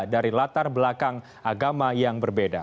dari latar belakang agama yang berbeda